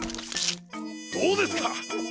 どうですか！